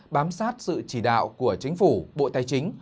bám sát sự chỉ đạo của chính phủ bộ tài chính